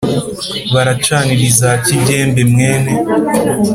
baracanira iza kigembe mwene